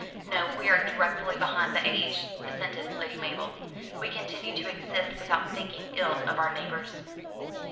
"No; we are dreadfully behind the age," assented Lady Mabel. "We continue to exist without thinking ill of our neighbours."